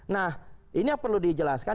nah ini yang perlu dijelaskan